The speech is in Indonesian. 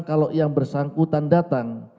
kalau yang bersangkutan datang